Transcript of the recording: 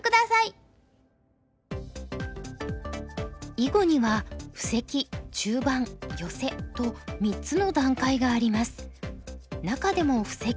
囲碁には布石中盤ヨセと３つの段階があります。